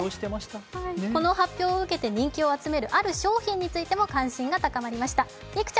この発表を受けて人気を集めるある商品に関心が高まりました。